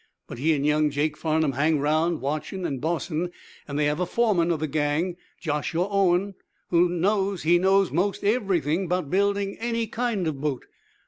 But he an' young Jake Farnum hang 'round, watching and bossing, and they have a foreman of the gang, Joshua Owen, who knows he knows most everything 'bout buildin' any kind of boat.